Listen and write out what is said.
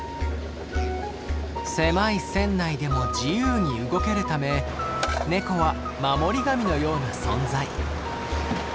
狭い船内でも自由に動けるためネコは守り神のような存在。